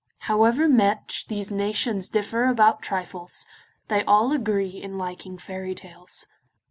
However much these nations differ about trifles, they all agree in liking fairy tales.